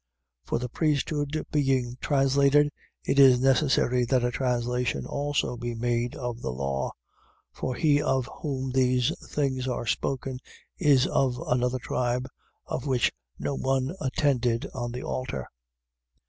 7:12. For the priesthood being translated, it is necessary that a translation also be made of the law, 7:13. For he of whom these things are spoken is of another tribe, of which no one attended on the altar.